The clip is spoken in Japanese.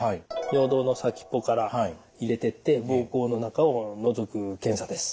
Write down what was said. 尿道の先っぽから入れてって膀胱の中をのぞく検査です。